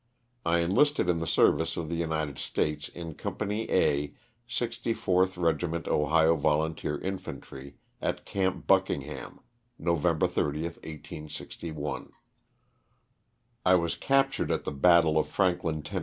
I enlisted in the service of the United States in Company A, 64th Regiment Ohio Volunteer Infantry, at Camp Buckingham, November 30, 1861. I was captured at the battle of Franklin, Tenn.